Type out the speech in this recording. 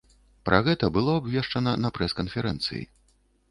Пра гэта было абвешчана на прэс-канферэнцыі.